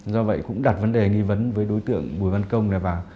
do vậy cũng đặt vấn đề nghi vấn với đối tượng bùi văn công này vào